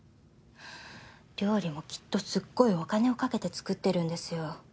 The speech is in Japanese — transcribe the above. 料理もきっとすっごいお金をかけて作ってるんですよ。